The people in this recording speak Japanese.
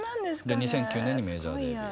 で２００９年にメジャーデビュー。